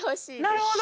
なるほど！